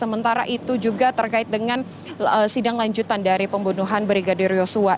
sementara itu juga terkait dengan sidang lanjutan dari pembunuhan brigadir yosua